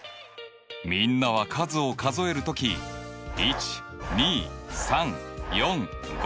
みんなは数を数える時１２３４５